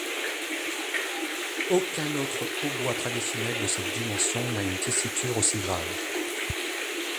Aucun autre hautbois traditionnel de cette dimension n'a une tessiture aussi grave.